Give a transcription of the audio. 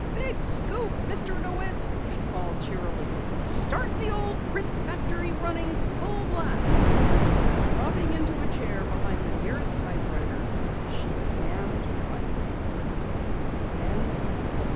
"Big scoop, Mr. DeWitt," she called cheerily. "Start the old print factory running full blast!" Dropping into a chair behind the nearest typewriter, she began to write. CHAPTER 25 _EXTRA!